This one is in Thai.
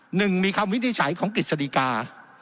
หนึ่งมีคำวินิจฉัยของกฤษฎีกา